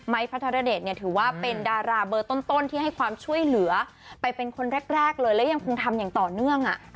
พระธรเดชเนี่ยถือว่าเป็นดาราเบอร์ต้นที่ให้ความช่วยเหลือไปเป็นคนแรกเลยแล้วยังคงทำอย่างต่อเนื่องอ่ะ